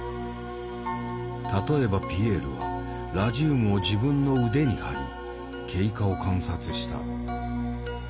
例えばピエールはラジウムを自分の腕に貼り経過を観察した。